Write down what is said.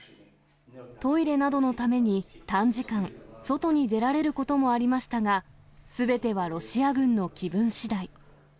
トイレなどのために短時間、外に出られることもありましたが、すべてはロシア軍の気分しだい。